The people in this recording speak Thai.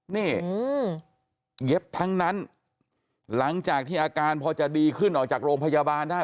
นี่เย็บทั้งนั้นหลังจากที่อาการพอจะดีขึ้นออกจากโรงพยาบาลได้